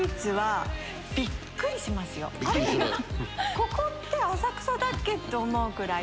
ここって浅草だっけ？と思うくらい。